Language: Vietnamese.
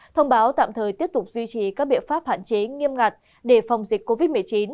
thông báo tạm thời tiếp tục duy trì các biện pháp hạn chế nghiêm ngặt để phòng dịch covid một mươi chín